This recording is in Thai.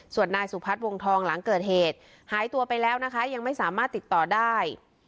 ส่วนนายสุพัฒน์วงทองหลังเกิดเหตุหายตัวไปแล้วนะคะยังไม่สามารถติดต่อได้